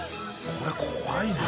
これ怖いな。